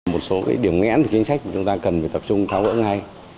một số cái điểm nghẽn của chính sách chúng ta cần phải tập trung tháo gỡ ngay